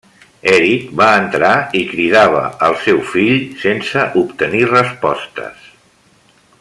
Eric va entrar i cridava al seu fill, sense obtenir respostes.